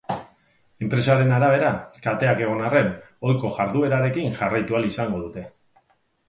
Enpresaren arabera, kateak egon arren, ohiko jarduerarekin jarraitu ahal izango dute.